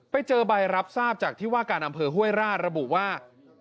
ไปเจอใบรับทราบจากที่ว่าการอำเภอห้วยราชระบุว่า